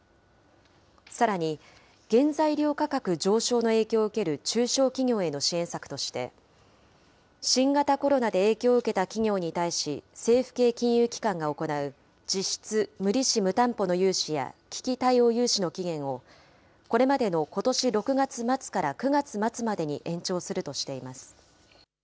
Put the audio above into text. さらに、原材料価格上昇の影響を受ける中小企業への支援策として、新型コロナで影響を受けた企業に対し政府系金融機関が行う、実質無利子・無担保の融資や危機対応融資の期限を、これまでのことし６月末から９月末までに延長するとしています。